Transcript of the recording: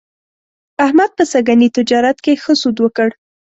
احمد په سږني تجارت کې ښه سود وکړ.